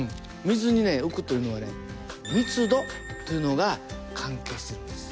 水にね浮くというのはね密度というのが関係してるんです。